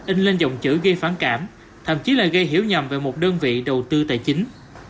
in lên giọng chữ gây phản cảm thậm chí là gây hiểu nhầm về một đơn vị đầu tư tài chính